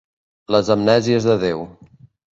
Les amnèsies de Déu.